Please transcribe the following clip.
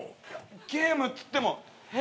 ゲームっつってもえっ！？